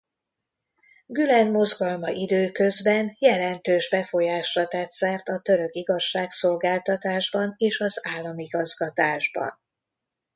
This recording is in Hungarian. Gülen mozgalma időközben jelentős befolyásra tett szert a török igazságszolgáltatásban és az államigazgatásban.